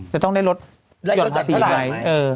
จะต้องได้รดภาษีด้วย